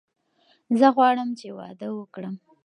زه غواړم چې واده وکړم.